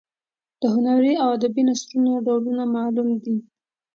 د هنري او ادبي نثرونو ډولونه معلوم دي.